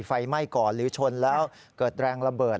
ไฟไหม้ก่อนหรือชนแล้วเกิดแรงระเบิด